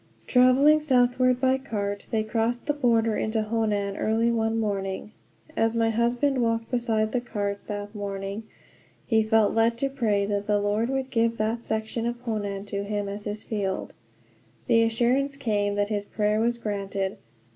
Traveling southward by cart, they crossed the border into Honan early one morning. As my husband walked beside the carts, that morning, he felt led to pray that the Lord would give that section of Honan to him as his field. The assurance came that his prayer was granted.